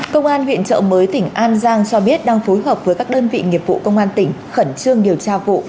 công an huyện trợ mới tỉnh an giang cho biết đang phối hợp với các đơn vị nghiệp vụ công an tỉnh khẩn trương điều tra vụ